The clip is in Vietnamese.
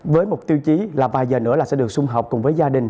với mục tiêu chí là vài giờ nữa sẽ được xung họp cùng với gia đình